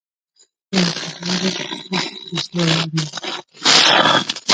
یوه خبره ده چې سخت بې حیایان دي.